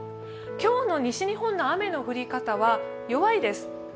今日の西日本の雨の降り方は弱いです。